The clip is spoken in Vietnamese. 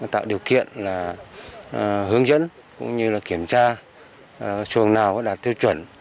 tạo điều kiện là hướng dẫn cũng như là kiểm tra xuồng nào có đạt tiêu chuẩn